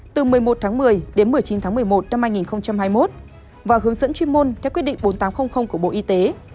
từ một mươi một tháng một mươi đến một mươi chín tháng một mươi một năm hai nghìn hai mươi một và hướng dẫn chuyên môn theo quyết định bốn nghìn tám trăm linh của bộ y tế